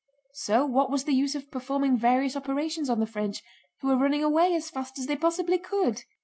So what was the use of performing various operations on the French who were running away as fast as they possibly could?